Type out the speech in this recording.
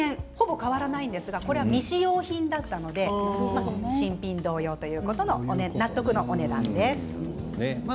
ほぼ変わらなかったんですが未使用品だったので新品同様ということで納得のお値段でした。